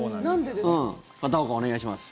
片岡、お願いします。